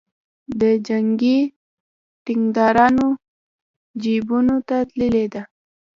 د جنګي ټیکدارانو جیبونو ته تللې ده.